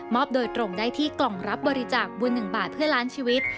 โดยตรงได้ที่กล่องรับบริจาคบุญ๑บาทเพื่อล้านชีวิต